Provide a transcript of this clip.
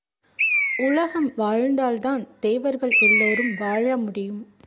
உலகம் வாழ்ந்தால்தான் தேவர்கள் எல்லோரும் வாழ முடியும்.